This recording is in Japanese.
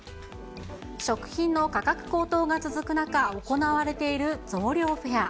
食品の価格高騰が続く中、行われている増量フェア。